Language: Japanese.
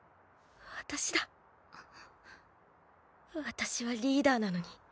私はリーダーなのに。